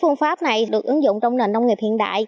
phương pháp này được ứng dụng trong nền nông nghiệp hiện đại